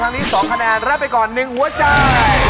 ทางนี้๒คะแนนและไปก่อน๑หัวใจ